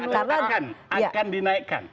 karena akan dinaikkan